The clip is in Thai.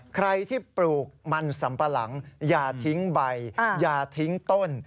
ใครที่ปลูกมันสัมปะหลังอย่าทิ้งใบอย่าทิ้งต้น